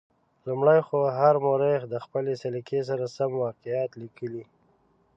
لومړی خو هر مورخ د خپلې سلیقې سره سم واقعات لیکلي.